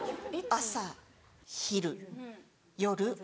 朝昼夜。